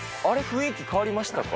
あれ、雰囲気変わりましたか？